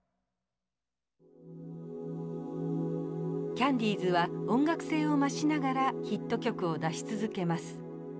キャンディーズは音楽性を増しながらヒット曲を出し続けます。